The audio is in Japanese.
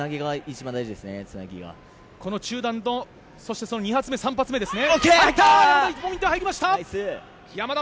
この中段２発目、３発目ですね。